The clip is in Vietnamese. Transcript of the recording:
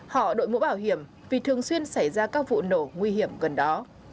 họ đội mũ bảo hiểm vì thường xuyên xảy ra các vụ nổ nguy hiểm gần đó